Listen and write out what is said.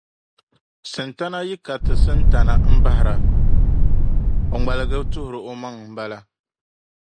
Sintana yi kariti Sintana bahira, o ŋmaligimi tuhir’ omaŋa m-bala.